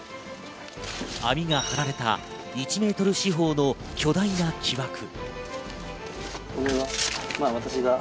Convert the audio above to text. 網が張られた１メートル四方の巨大な木枠。